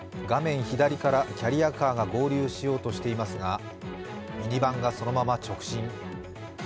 画面左からキャリアカーが合流しようとしますがミニバンがそのまま直進。